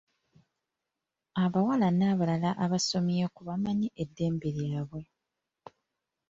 Abawala n'abalala abasomyeko bamanyi eddembe lyabwe.